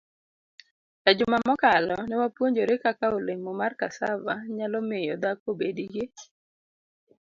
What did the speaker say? E juma mokalo, ne wapuonjore kaka olemo mar cassava nyalo miyo dhako obed gi